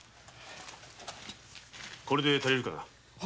これで足りるかな。